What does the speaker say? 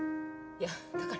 いやだから。